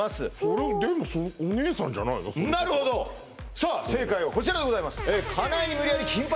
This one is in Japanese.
さあ正解はこちらでございます